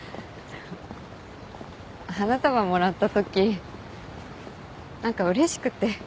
花束もらったとき何かうれしくて。